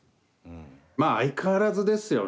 まあ相変わらずですよね。